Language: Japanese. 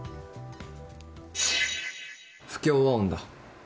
不協和音だ。